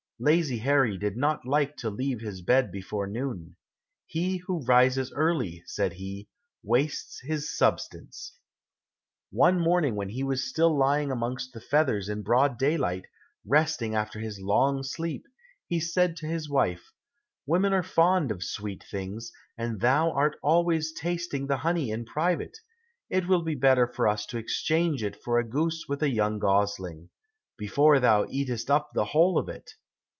Lazy Harry did not like to leave his bed before noon. "He who rises early," said he, "wastes his substance." One morning when he was still lying amongst the feathers in broad daylight, resting after his long sleep, he said to his wife, "Women are fond of sweet things, and thou art always tasting the honey in private; it will be better for us to exchange it for a goose with a young gosling, before thou eatest up the whole of it."